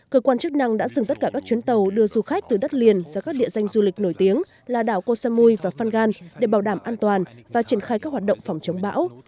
cơ quan chức năng đã dừng tất cả các chuyến tàu đưa du khách từ đất liền ra các địa danh du lịch nổi tiếng là đảo kosamui và fangan để bảo đảm an toàn và triển khai các hoạt động phòng chống bão